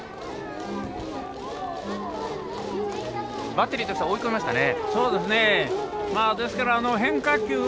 バッテリーとしては追い込みましたね。